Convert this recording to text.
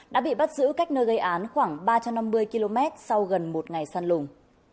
đã bị bắt giữ cách nơi gây án khoảng ba trăm năm mươi km sau gần một ngày săn lùng